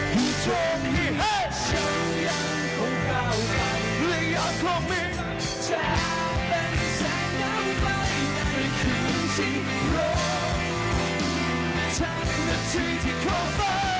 มีเซอร์ไพรส์ที่ปล่อยช่องเฟ้อมีแสงระเบิดที่ปล่อยชมถึง